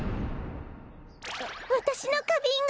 わたしのかびんが！